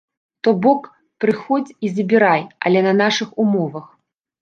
То бок, прыходзь і забірай, але на нашых умовах.